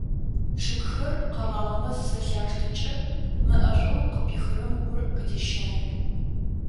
Чъыгхэр къэгъагъэмэ зызэлъаштэкӏэ, мэӏэшӏоу къапихырэм гур къыдещае.